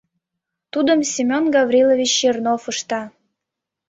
Тудым Семен Гаврилович Чернов ышта.